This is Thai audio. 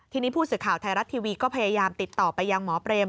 ทีนี้ผู้สื่อข่าวไทยรัฐทีวีก็พยายามติดต่อไปยังหมอเปรม